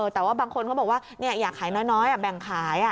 แต่ว่าบางคนเขาบอกว่าอยากขายน้อยแบ่งขาย